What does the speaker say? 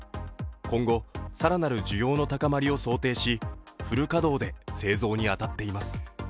今後更なる需要の高まりを想定しフル稼働で製造に当たっています。